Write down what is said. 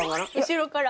後ろから。